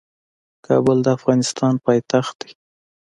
کابل د افغانستان پايتخت دی.